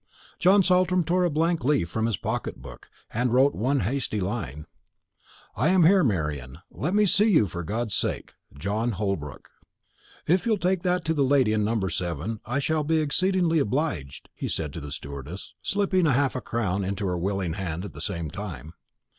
John Saltram tore a blank leaf from his pocket book, and wrote one hasty line: "I am here, Marian; let me see you for God's sake. "JOHN HOLBROOK." "If you'll take that to the lady in number 7, I shall be exceedingly obliged," he said to the stewardess, slipping half a crown into her willing hand at the same time.